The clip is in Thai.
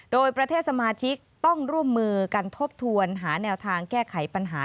โดยประเทศสมาชิกต้องร่วมมือกันทบทวนหาแนวทางแก้ไขปัญหา